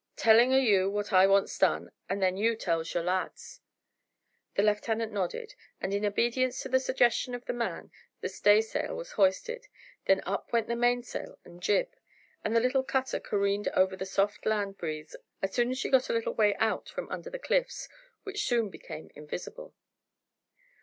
"Tellin' o' you what I wants done, and then you tells your lads." The lieutenant nodded, and in obedience to the suggestion of the man the stay sail was hoisted; then up went the mainsail and jib, and the little cutter careened over to the soft land breeze as soon as she got a little way out from under the cliffs, which soon became invisible.